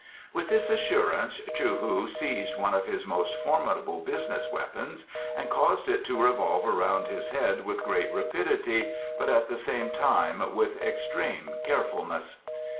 With this assurance Chou hu seized one of his most formidable business weapons and caused it to revolve around his head with great rapidity, but at the same time with extreme carefulness.